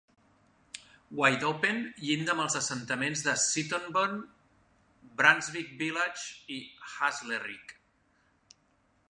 Wideopen llinda amb els assentaments de Seaton Burn, Brunswick Village i Hazlerigg.